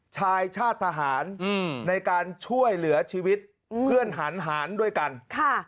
ชายชาติทหารอืมในการช่วยเหลือชีวิตเพื่อนหารด้วยกันค่ะ